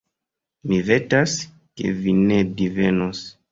Mi vetas, ke vi ne divenos.